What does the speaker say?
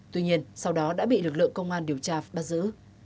tuy nhiên sau đó đã bị lực lượng công an điều tra bắt giữ